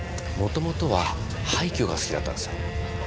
もともとは廃墟が好きだったんですよ。